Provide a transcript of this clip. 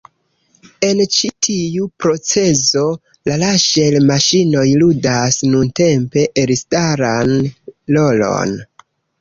En ĉi tiu procezo la raŝel-maŝinoj ludas nuntempe elstaran rolon.